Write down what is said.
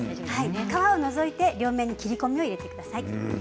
皮を除いて両面切り込みを入れてください。